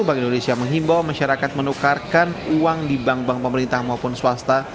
bank indonesia menghimbau masyarakat menukarkan uang di bank bank pemerintah maupun swasta